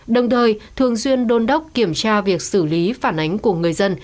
đồng thời thường xuyên đôn đốc kiểm tra việc xử lý phản ánh của người dân